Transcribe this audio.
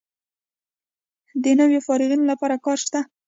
د نویو فارغانو لپاره کار شته؟